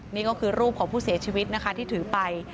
นี่ก็คือรูปของผู้เสียชีวิตนะคะที่ถือไป